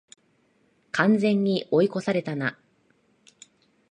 完全に追い越されたな